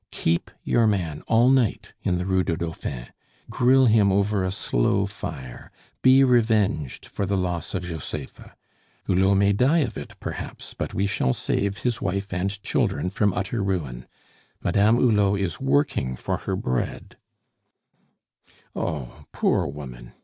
Keep your man all night in the Rue du Dauphin, grill him over a slow fire, be revenged for the loss of Josepha. Hulot may die of it perhaps, but we shall save his wife and children from utter ruin. Madame Hulot is working for her bread " "Oh! poor woman!